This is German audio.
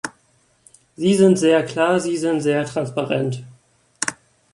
Sie sind sehr klar, sie sind sehr transparent.